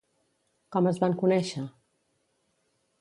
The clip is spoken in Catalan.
Com es van conèixer?